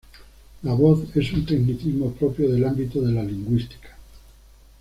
La voz es un tecnicismo propio del ámbito de la lingüística.